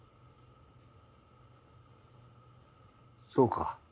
そうか。